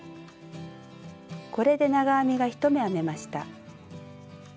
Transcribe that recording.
これで長編みが１目編めました。